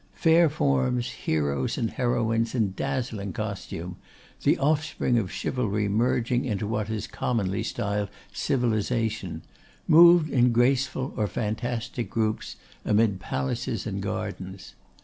Fair forms, heroes and heroines in dazzling costume, the offspring of chivalry merging into what is commonly styled civilisation, moved in graceful or fantastic groups amid palaces and gardens.